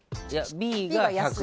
Ｂが安い？